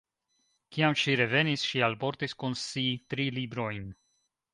Kiam ŝi revenis, ŝi alportis kun si tri librojn.